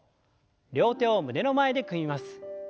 両手を胸の前で組みます。